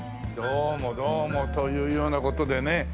どうもどうもというような事でね。